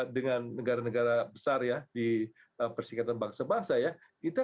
dengan negara negara besar di persingkatan bangsa bangsa